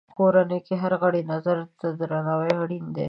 کورنۍ کې د هر غړي نظر ته درناوی اړین دی.